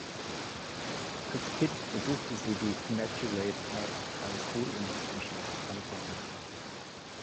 Als Kind besuchte sie die "Immaculate Heart High School" in Los Angeles, Kalifornien.